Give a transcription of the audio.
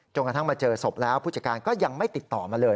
กระทั่งมาเจอศพแล้วผู้จัดการก็ยังไม่ติดต่อมาเลย